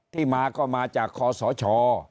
ที่มาก็มาจากคอสช